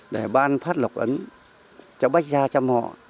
để ban phát lọc ấn cho bách gia cho mọ